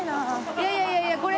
いやいやいやいやこれ。